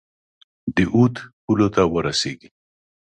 د اود پولو ته ورسیږي.